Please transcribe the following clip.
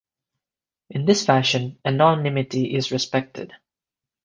In this fashion, anonymity is respected.